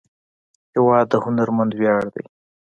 هېواد د هنرمند ویاړ دی.